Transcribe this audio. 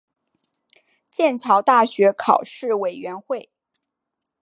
剑桥大学考试委员会